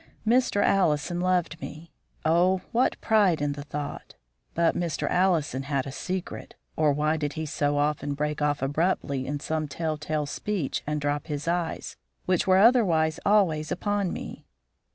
Mr. Allison loved me oh, what pride in the thought! but Mr. Allison had a secret, or why did he so often break off abruptly in some telltale speech and drop his eyes, which were otherwise always upon me.